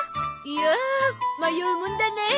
いや迷うもんだねえ